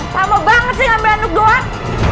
lama banget sih ngambil handuk doang